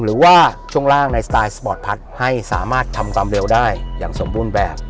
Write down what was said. หรือว่าช่วงล่างในสไตล์สปอร์ตพัดให้สามารถทำความเร็วได้อย่างสมบูรณ์แบบ